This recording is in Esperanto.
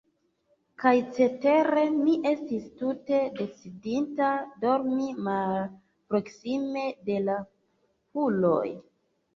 Kaj cetere, mi estis tute decidinta, dormi malproksime de la puloj.